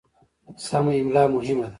سمه املا مهمه ده.